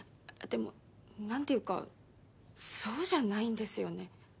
あっでもなんていうかそうじゃないんですよね。